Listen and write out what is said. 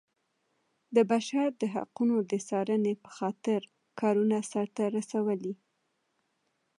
د بشر د حقونو د څارنې په خاطر کارونه سرته رسولي.